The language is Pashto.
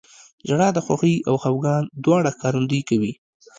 • ژړا د خوښۍ او خفګان دواړو ښکارندویي کوي.